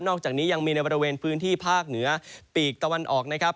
อกจากนี้ยังมีในบริเวณพื้นที่ภาคเหนือปีกตะวันออกนะครับ